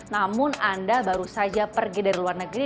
namun anda baru saja pergi dari luar negeri